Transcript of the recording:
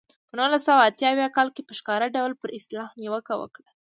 په نولس سوه اته اویا کال کې په ښکاره ډول پر اصطلاح نیوکه وکړه.